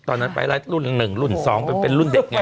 ตอนนั้นไฟล์ไลท์รุ่นหนึ่งรุ่นสองเป็นรุ่นเด็กไง